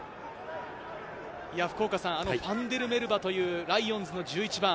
ファンデルメルヴァというライオンズの１１番。